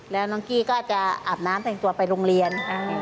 แล้วน้องกี้ก็อาจจะอาบน้ำแต่งตัวไปโรงเรียน